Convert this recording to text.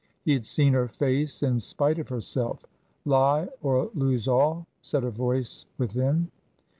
He had seen her face in spite of herself. Lie, or lose all, said a voice within.